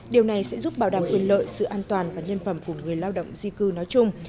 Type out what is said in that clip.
điều này sẽ giúp bảo đảm quyền lợi sự an toàn và nhân phẩm của người lao động di cư nói chung